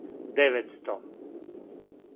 деветсто